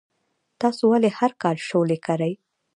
تاسو ولې هر کال شولې کرئ؟